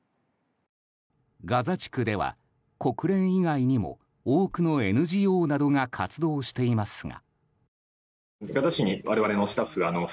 ガザ地区では国連以外にも多くのＮＧＯなどが活動していますが。